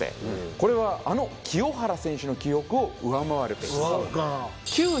これはあの清原選手の記録を上回るペース。